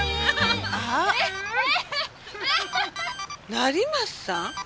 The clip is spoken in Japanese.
成増さん？